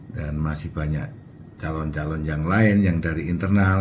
dan masih banyak calon calon yang lain yang dari internal